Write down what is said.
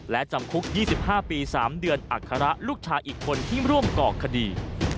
และจำคุก๒๕ปี๓เดือนอัคระลูกชายอีกคนที่ร่วมก่อคดี